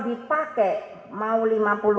dipakai mau lima puluh